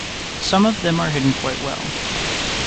Some of them are hidden quite well.